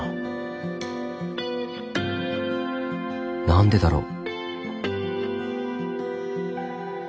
何でだろう？